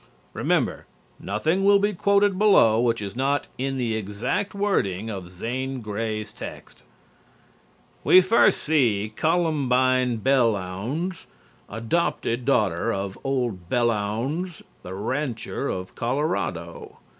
Remember, nothing will be quoted below which is not in the exact wording of Zane Grey's text. We first see Columbine Belllounds, adopted daughter of old Belllounds the rancher of Colorado.